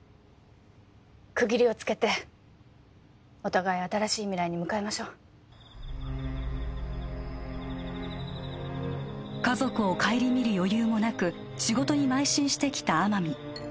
区切りをつけてお互い新しい未来に向かいましょう家族を顧みる余裕もなく仕事にまい進してきた天海